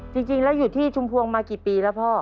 จริงแล้วอยู่ที่ชุมพวงมากี่ปีแล้วพ่อ